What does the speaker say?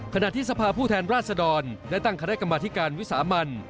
ขณะที่สภาพผู้แทนราชดรได้ตั้งคณะกรรมธิการวิสามัน